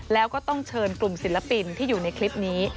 แล้วก็ต้องเชิญกลุ่มศิลปินที่อยู่ในคลิปนี้